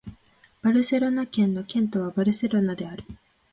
バルセロナ県の県都はバルセロナである